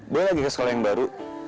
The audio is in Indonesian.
boleh lagi ke sekolah yang baru